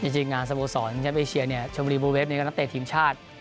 จริงงานสะโบสอนที่เราไปเชียร์ชนบุรีบลูเวฟนี้ก็นัดเตะทีมชาติ